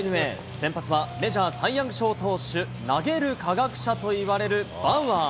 先発はメジャー、サイ・ヤング賞投手、投げる科学者といわれるバウアー。